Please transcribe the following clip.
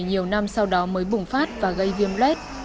nhiều năm sau đó mới bùng phát và gây viêm lết